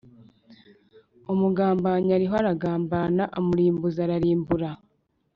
«Umugambanyi ariho aragambana, umurimbuzi ararimbura.